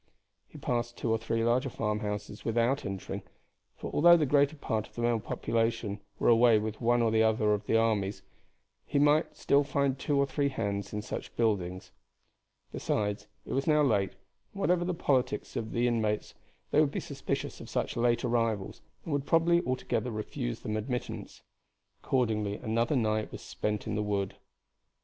He passed two or three large farmhouses without entering, for although the greater part of the male population were away with one or other of the armies, he might still find two or three hands in such buildings. Besides, it was now late, and whatever the politics of the inmates they would be suspicious of such late arrivals, and would probably altogether refuse them admittance. Accordingly another night was spent in the wood.